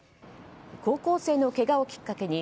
高校生のけがをきっかけに